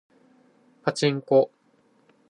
パチンコ